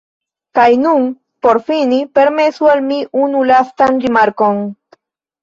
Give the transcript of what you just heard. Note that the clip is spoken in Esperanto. Kaj nun, por fini, permesu al mi unu lastan rimarkon.